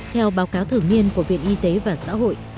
theo báo cáo thử nghiên của viện y tế và xã hội